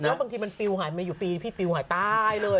มันไม่อยู่ตีนพี่ฟิวหายตายเลย